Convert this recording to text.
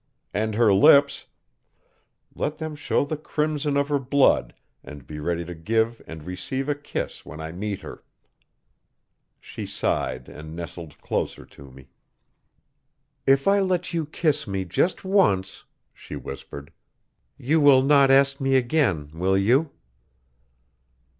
And her lips let them show the crimson of her blood and be ready to give and receive a kiss when I meet her.' She sighed and nestled closer to me. 'If I let you kiss me just once,' she whispered, 'you will not ask me again will you?'